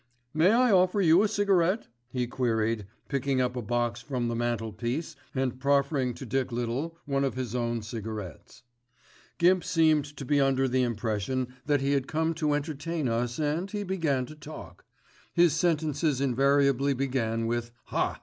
"May I offer you a cigarette?" he queried, picking up a box from the mantelpiece and proffering to Dick Little one of his own cigarettes. Gimp seemed to be under the impression that he had come to entertain us and he began to talk. His sentences invariably began with "Haaa!